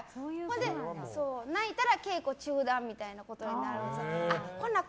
泣いたら稽古中断みたいなことになるから。